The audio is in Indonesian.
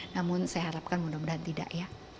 namun saya harapkan mudah mudahan tidak ya